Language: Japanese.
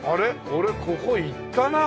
俺ここ行ったなあ！